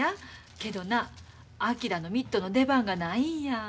けどなあ昭のミットの出番がないんや。